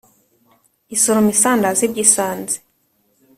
isoroma isandaza ibyo isanze